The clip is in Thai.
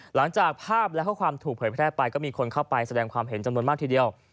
หลังจากภาพและข้อความถูกเผยแพร่ไปก็มีคนเข้าไปแสดงความเห็นจำนวนมากทีเดียว